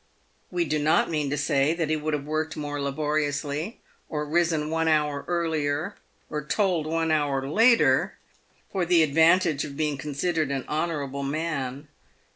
We do not mean to say that he would have worked more laboriously, or risen one hour earlier, or toiled one hour later, for the advantage of being considered an honourable man.